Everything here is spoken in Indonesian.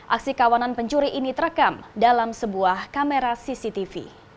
aksi kawanan pencuri ini terekam dalam sebuah kamera cctv